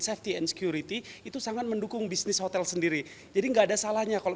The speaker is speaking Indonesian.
safety and security itu sangat mendukung bisnis hotel sendiri jadi enggak ada salahnya kalau